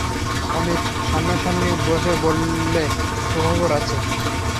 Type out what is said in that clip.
অমিত সামনাসামনি বসে বললে, সুখবর আছে।